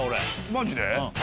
マジで？